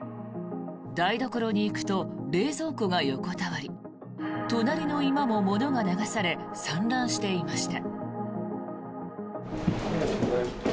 台所に行くと冷蔵庫が横たわり隣の居間も物が流され散乱していました。